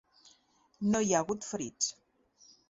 No hi ha hagut ferits.